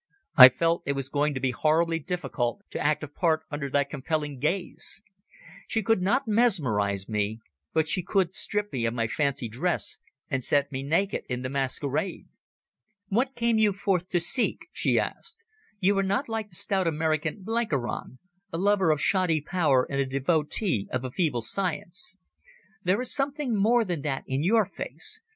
I felt it was going to be horribly difficult to act a part under that compelling gaze. She could not mesmerize me, but she could strip me of my fancy dress and set me naked in the masquerade. "What came you forth to seek?" she asked. "You are not like the stout American Blenkiron, a lover of shoddy power and a devotee of a feeble science. There is something more than that in your face.